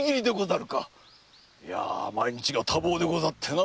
いやあ毎日が多忙でござってな。